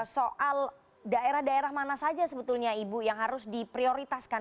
soal daerah daerah mana saja sebetulnya ibu yang harus diprioritaskan